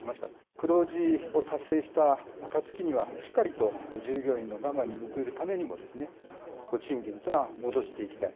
黒字を達成した暁には、しっかりと従業員の我慢に報いるためにもですね、賃金というのは戻していきたい。